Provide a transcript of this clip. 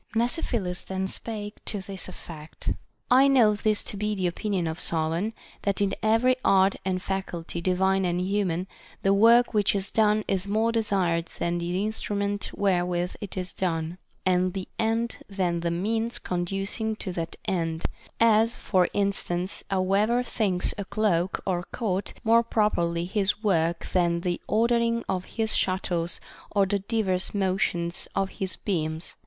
Mnesiphilus then spake to this effect : I know this to be the opinion of Solon, that in every art and faculty, divine and human, the work which is done is more desired than the instrument wherewith it is done, and the end than the means conducing to that end ; as, for instance, a weaver 24 THE BANQUET OF THE SEVEN WISE MEN. thinks a cloak or coat more properly his work than the ordering of his shuttles or the clivers motions of his beams.